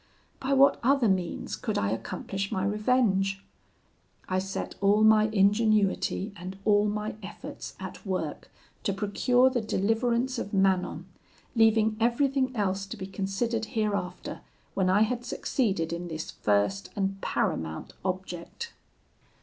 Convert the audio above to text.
By what other means could I accomplish my revenge? I set all my ingenuity and all my efforts at work to procure the deliverance of Manon, leaving everything else to be considered hereafter when I had succeeded in this first and paramount object.